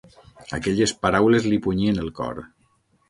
Aquelles paraules li punyien el cor.